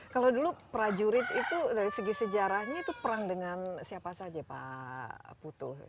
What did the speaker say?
kalau dulu prajurit itu dari segi sejarahnya itu perang dengan siapa saja pak putu